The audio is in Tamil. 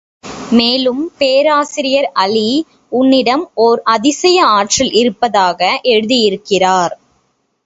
மேலும் பேராசிரியர் அலி உன்னிடம் ஓர் அதிசய ஆற்றல் இருப்பதாக எழுதியிருக்கிறார்.